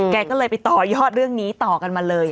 แกก็เลยไปต่อยอดเรื่องนี้ต่อกันมาเลย